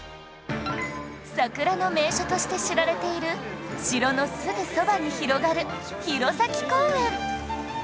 桜の名所として知られている城のすぐそばに広がる弘前公園